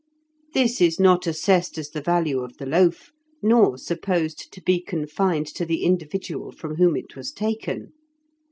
This is not assessed as the value of the loaf, nor supposed to be confined to the individual from whom it was taken.